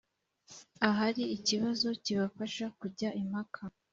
ahari ikibazo kibafasha kujya impaka.